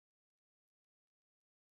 灰湾子岩画的历史年代为待考。